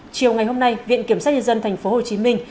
chiều ngày hôm nay viện kiểm sát nhân dân tp hồ chí minh